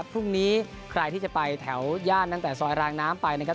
พรุ่งนี้ใครที่จะไปแถวย่านตั้งแต่ซอยรางน้ำไปนะครับ